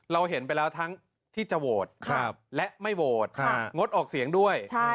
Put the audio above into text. เราเห็นไปแล้วทั้งที่จะโหวตและไม่โหวตงดออกเสียงด้วย